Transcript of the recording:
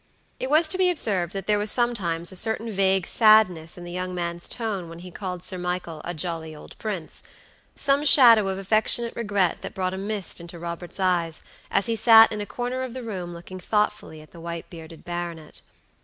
It was to be observed that there was sometimes a certain vague sadness in the young man's tone when he called Sir Michael "a jolly old prince;" some shadow of affectionate regret that brought a mist into Robert's eyes, as he sat in a corner of the room looking thoughtfully at the white bearded baronet.